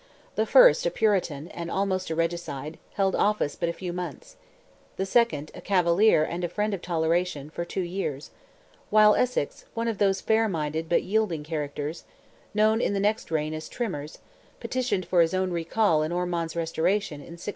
The first, a Puritan, and almost a regicide, held office but a few months; the second, a cavalier and a friend of toleration, for two years; while Essex, one of those fair minded but yielding characters, known in the next reign as "Trimmers," petitioned for his own recall and Ormond's restoration, in 1676.